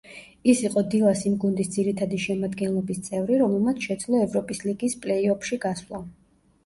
ის იყო „დილას“ იმ გუნდის ძირითადი შემადგენლობის წევრი, რომელმაც შეძლო ევროპის ლიგის პლეი-ოფში გასვლა.